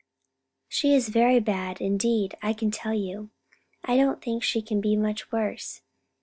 "She is very bad indeed, I can tell you; I don't think she can be much worse.